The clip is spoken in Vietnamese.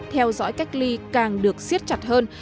theo dõi cách ly càng được siết chặt hơn